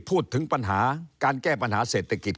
พูดถึงปัญหาการแก้ปัญหาเศรษฐกิจ